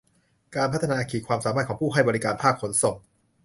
การพัฒนาขีดความสามารถของผู้ให้บริการภาคขนส่ง